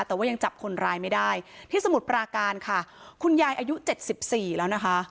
แต่ว่ายังจับคนร้ายไม่ได้ที่สมุทรปราการค่ะคุณยายอายุเจ็ดสิบสี่แล้วนะคะ